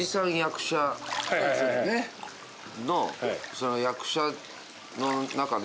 その役者の中で。